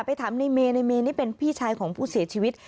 ถามในเมในเมนี่เป็นพี่ชายของผู้เสียชีวิต